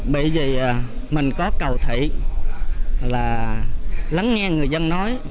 bởi vì mình có cầu thị là lắng nghe người dân nói